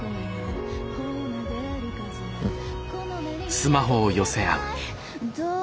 うん。